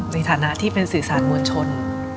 ในฐานะที่เป็นสื่อสารมวลชน